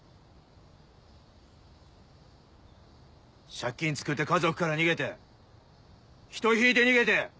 借金つくって家族から逃げて人ひいて逃げて。